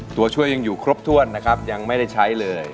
ตัวช่วยยังอยู่ครบถ้วนนะครับยังไม่ได้ใช้เลย